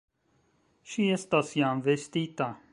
Ŝi estas jam vestita.